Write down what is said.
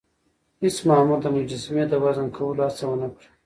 هیڅ مامور د مجسمې د وزن کولو هڅه ونه کړه.